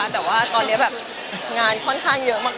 แต่ว่าตอนนี้แบบงานค่อนข้างเยอะมาก